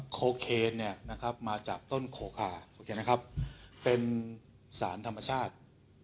โคเคนมาจากต้นโขคาเป็นสารธรรมชาติ